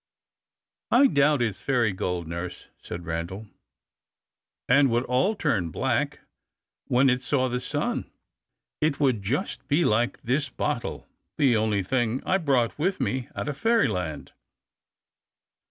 '" "I doubt it's fairy gold, nurse," said Randal, "and would all turn black when it saw the sun. It would just be like this bottle, the only thing I brought with me out of Fairyland."